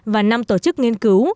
và năm tổ chức nghiên cứu